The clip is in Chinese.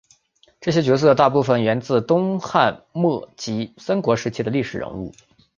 这些角色大部份源自东汉末及三国时期的历史人物。